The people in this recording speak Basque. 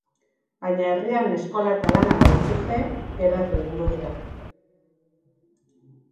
Baina herrian eskola eta lana badituzte, geratu egingo dira.